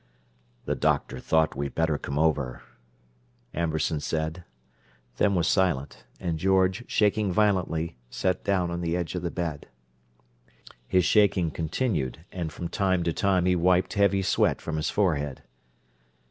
"The doctor thought we'd better come over," Amberson said, then was silent, and George, shaking violently, sat down on the edge of the bed. His shaking continued, and from time to time he wiped heavy sweat from his forehead.